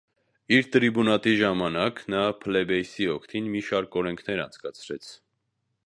Իր տրիբունատի ժամանակ նա պլեբեյսի օգտին մի շարք օրենքներ անցկացրեց։